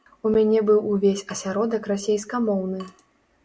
У мяне быў увесь асяродак расейскамоўны.